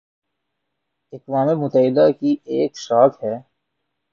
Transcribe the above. اقوام متحدہ کی ایک شاخ ہے